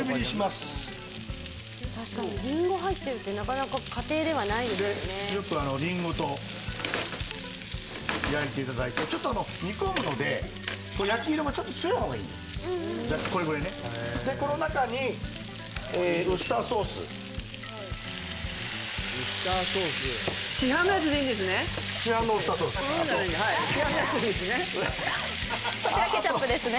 確かにりんご入ってるってなかなか家庭ではないですよねよくりんごと焼いていただいてちょっと煮込むので焼き色が強い方がいいんですこれぐらいねでこの中にウスターソース市販のウスターソース市販のやつでいいですねこちらケチャップですね